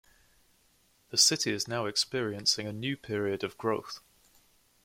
The city is now experiencing a new period of growth.